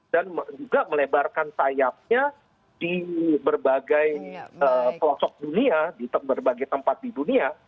dan juga melebarkan sayapnya di berbagai pelosok dunia di berbagai tempat di dunia